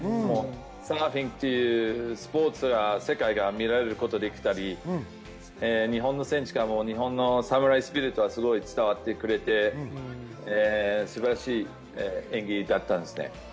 サーフィンというスポーツが世界で見られることができたり、日本の侍スピリットがすごく伝わってくれて素晴らしい演技だったんですね。